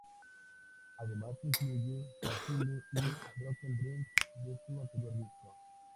Además incluye ""Fragile"" y ""Broken Dreams"" de su anterior disco.